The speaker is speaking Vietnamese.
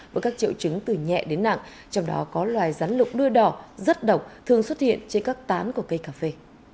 với các triệu chứng từ nhẹ đến nặng trong đó có loài rắn lục đuôi đỏ rất độc thường xuất hiện trên các tán của cây cà phê